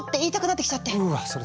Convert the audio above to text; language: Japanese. うわそれ